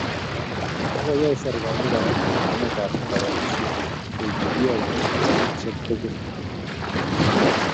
Akoyai serkali Kora somanetab kobotisiet koek nekiyaei eng sukulisiek tugul